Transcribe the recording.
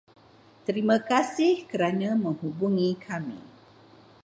Terima kasih kerana menghubungi kami.